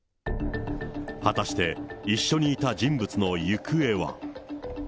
果たして、一緒にいた人物の行方は。